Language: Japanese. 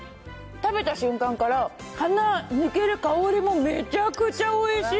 食べた瞬間から、鼻、抜ける香りもめちゃくちゃおいしい。